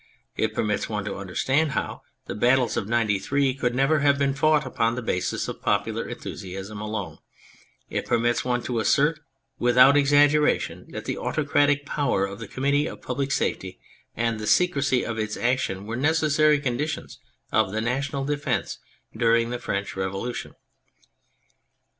It permits one to understand how the battles of '93 could never have been fought upon the basis of popular enthusiasm alone ; it permits one to assert without exaggeration that the autocratic power of the Committee of Public Safety and the secrecy of its action were necessary conditions of the national defence during the French Revolution.